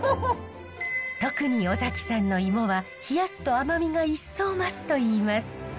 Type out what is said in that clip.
特に尾崎さんのイモは冷やすと甘みが一層増すといいます。